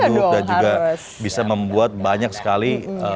juga juga bisa membuat banyak sekali